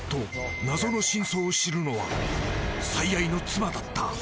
謎の真相を知るのは最愛の妻だった。